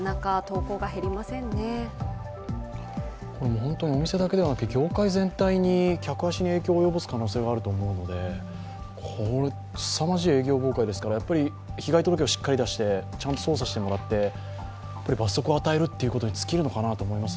本当にお店だけではなくて業界全体に客足に影響を及ぼす可能性があると思うので、すさまじい営業妨害ですから被害届をしっかり出してちゃんと捜査してもらって罰則を与えるということにつきるのかなと思います。